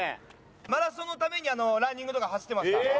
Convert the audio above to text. マラソンのためにランニングとか走ってました。